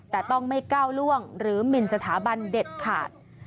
แต่ต้องไม่ก้าวล่วงหรือหมินสถาบันเด็ดขาด